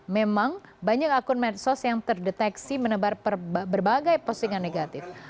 memang banyak akun medsos yang terdeteksi menebar berbagai postingan negatif